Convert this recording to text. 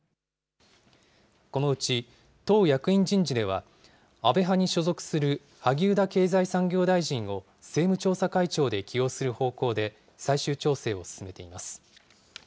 このうち党役員人事では、安倍派に所属する萩生田経済産業大臣を、政務調査会長で起用する方向で最終調整を進めています。